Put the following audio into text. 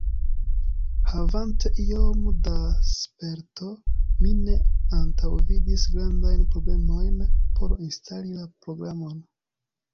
Havante iom da sperto, mi ne antaŭvidis grandajn problemojn por instali la programon.